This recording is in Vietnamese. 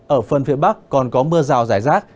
ở phần phía bắc còn có mưa rào rải rác